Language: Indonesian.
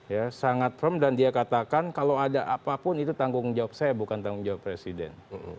ya sangat firm dan dia katakan kalau ada apapun itu tanggung jawab saya bukan tanggung jawab presiden